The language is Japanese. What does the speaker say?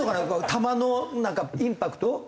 球のインパクト？